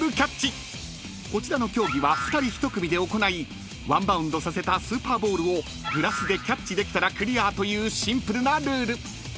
［こちらの競技は２人１組で行いワンバウンドさせたスーパーボールをグラスでキャッチできたらクリアというシンプルなルール］